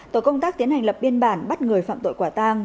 tổ công tác tiến hành lập biên bản bắt người phạm tội quả tang